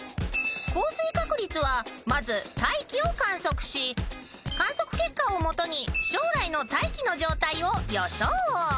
［降水確率はまず大気を観測し観測結果を基に将来の大気の状態を予想］